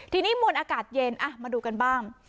ทีนี้มวลอากาศเย็นมาดูกันบ้าง